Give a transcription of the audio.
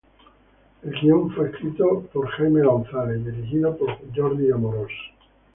El guion fue escrito por Jaime González y dirigido por Jordi Amorós.